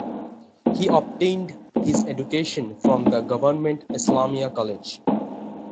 He obtained his education from the Government Islamia College.